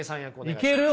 いける？